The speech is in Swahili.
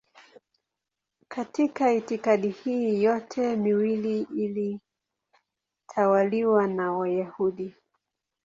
Katika itikadi hii yote miwili ilitawaliwa na Wayahudi.